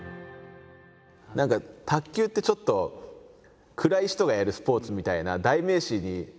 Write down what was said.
何か卓球ってちょっと暗い人がやるスポーツみたいな代名詞でもあるじゃないですか。